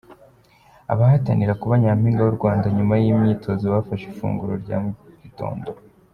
Abahatanira kuba Nyampinga w’u Rwanda nyuma y’imyitozo bafashe ifunguro rya mu gitondo.